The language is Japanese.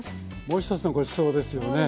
もう一つのごちそうですよね。